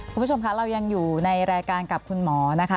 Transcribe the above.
คุณผู้ชมคะเรายังอยู่ในรายการกับคุณหมอนะคะ